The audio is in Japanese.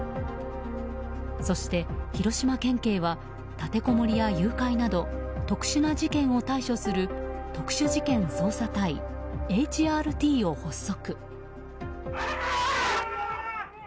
そして、広島県警は立てこもりや誘拐など特殊な事件を対処する特殊事件捜査隊、ＨＲＴを発足。